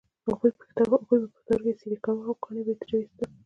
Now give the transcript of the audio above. هغوی به پښتورګی څیرې کاوه او کاڼي به یې ترې ویستل.